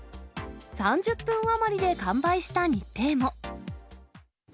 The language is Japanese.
３０分余りで完売した日程も。